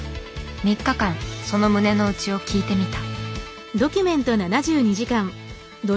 ３日間その胸の内を聞いてみた。